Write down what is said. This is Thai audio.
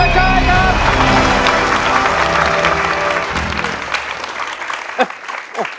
ไม่ใช้ครับ